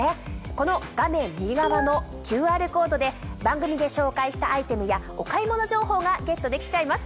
この画面右側のＱＲコードで番組で紹介したアイテムやお買い物情報がゲットできちゃいます。